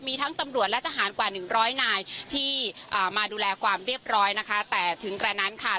มีทั้งตำรวจและทหารกว่าหนึ่งร้อยนายที่อ่ามาดูแลความเรียบร้อยนะคะแต่ถึงกระนั้นค่ะ